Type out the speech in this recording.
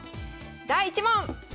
第１問！